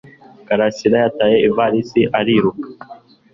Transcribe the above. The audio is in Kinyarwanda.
Karasira yataye ivalisi ariruka.